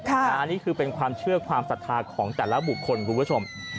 อันนี้คือเป็นความเชื่อความศรัทธาของแต่ละบุคคลคุณผู้ชม